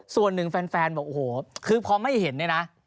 ส่วนหนึ่งแฟนบอกโอ้โหคือพอไม่เห็นเนี่ยนะ